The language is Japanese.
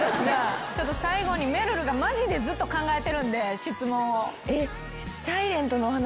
最後にめるるがマジでずっと考えてるんで質問を。